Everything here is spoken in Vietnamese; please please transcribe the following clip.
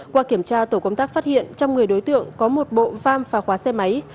qua kiểm tra tổ công tác phát hiện trong người đối tượng có một bộ vam phá khóa xe máy